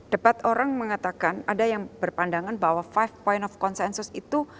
debat orang mengatakan ada yang berpandangan bahwa five point of consensus itu